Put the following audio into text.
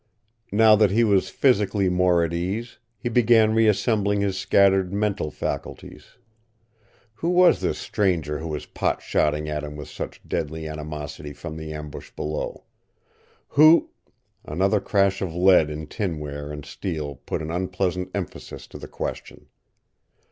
Now that he was physically more at ease, he began reassembling his scattered mental faculties. Who was this stranger who was pot shotting at him with such deadly animosity from the ambush below? Who Another crash of lead in tinware and steel put an unpleasant emphasis to the question.